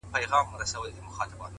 پر دې دُنیا سوځم پر هغه دُنیا هم سوځمه؛